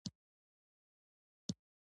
پټۍ راکړه